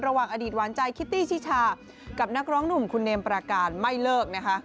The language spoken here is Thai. ระหว่างอดีตหวานใจคิตตี้ชิชากับนักร้องหนุ่มคุณเนมประการไม่เลิกนะคะ